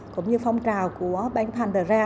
cũng như phong trào của ban phan đà ra